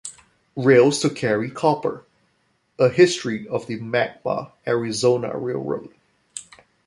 Rails to Carry Copper: A History of the Magma Arizona Railroad.